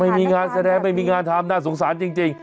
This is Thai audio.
ไม่มีงานแสดงไม่มีงานทำน่าสงสารจริง